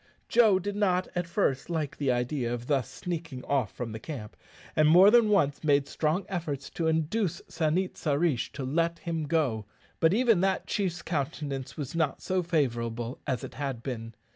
Joe did not at first like the idea of thus sneaking off from the camp, and more than once made strong efforts to induce San it sa rish to let him go; but even that chief's countenance was not so favourable as it had been.